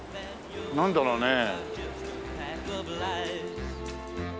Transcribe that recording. なんだろうねえ。